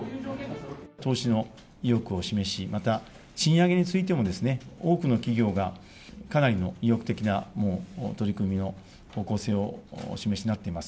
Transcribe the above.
投資の意欲を示し、また賃上げについても多くの企業がかなりの意欲的な、もう取り組みの方向性をお示しになっています。